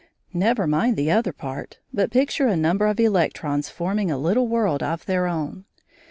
Never mind the other part, but picture a number of electrons forming a little world of their own.